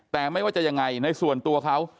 แต่ไม่ว่าจะยังไงในส่วนตัวเขา